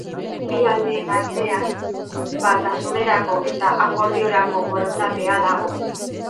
Bi aldeen artean batasunerako eta akordiorako borondatea dago.